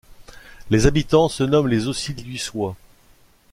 Les habitants se nomment les Auciliussois.